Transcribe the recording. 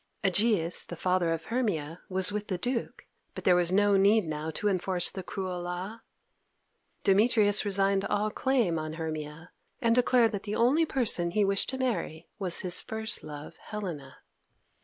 Egeus, the father of Hermia, was with the Duke, but there was no need now to enforce the cruel law. Demetrius resigned all claim on Hermia, and declared that the only person he wished to marry was his first love, Helena.